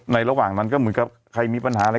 ระหว่างนั้นก็เหมือนกับใครมีปัญหาอะไร